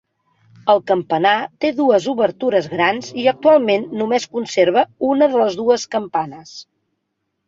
El campanar té dues obertures grans i actualment només conserva una de les dues campanes.